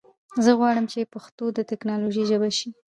زه غواړم چې پښتو د ټکنالوژي ژبه شي.